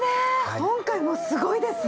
今回もすごいですね。